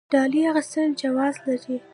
ډالۍ اخیستل جواز لري؟